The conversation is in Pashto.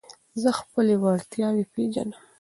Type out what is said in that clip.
زه خپلي وړتیاوي پېژنم.